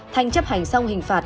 thành chấp hành xong hình phạt